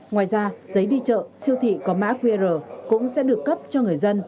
ngoài ra giấy đi chợ siêu thị có mã qr cũng sẽ được cấp cho người dân